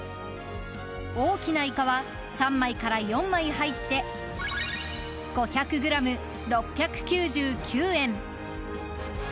大きなイカは３枚から４枚入って５００ｇ、６９９円。